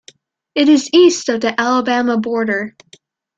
It is east of the Alabama border.